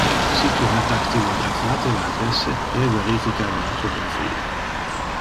Si tu ha dactylographate le adresse, re-verifica le orthographia.